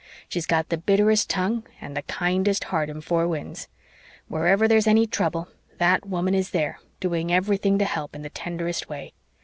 She's got the bitterest tongue and the kindest heart in Four Winds. Wherever there's any trouble, that woman is there, doing everything to help in the tenderest way.